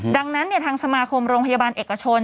ดังนั้นทางสมาคมโรงพยาบาลเอกชน